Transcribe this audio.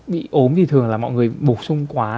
bị ốm thì thường là mọi người bổ sung quá